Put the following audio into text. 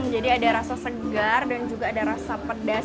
jadi ada rasa segar dan juga ada rasa pedas